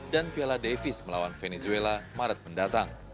dan piala davis melawan venezuela maret mendatang